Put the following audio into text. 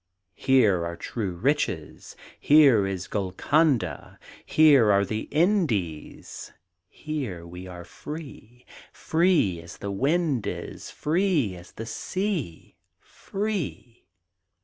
Here are true riches, Here is Golconda, Here are the Indies, Here we are free Free as the wind is, Free, as the sea. Free!